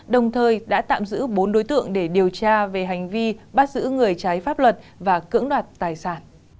đồng thời đã tạm giữ bốn đối tượng để điều tra về hành vi bắt giữ người trái pháp luật và cưỡng đoạt tài sản